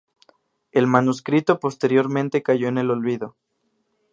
El manuscrito posteriormente cayó en el olvido.